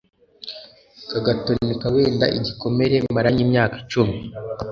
kagatoneka wenda igikomere maranye imyaka icumi